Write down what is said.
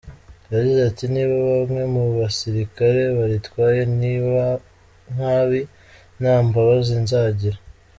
Yagize ati “Niba bamwe mu basirikare baritwaye nabi, nta mbabazi nzagira.